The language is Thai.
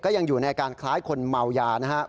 ยังอยู่ในอาการคล้ายคนเมายานะครับ